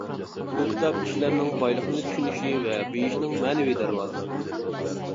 بۇ كىتاب كىشىلەرنىڭ بايلىقنى چۈشىنىشى ۋە بېيىشىنىڭ مەنىۋى دەرۋازىسى.